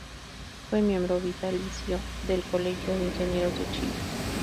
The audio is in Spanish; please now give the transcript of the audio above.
Fue miembro vitalicio del Colegio de Ingenieros de Chile.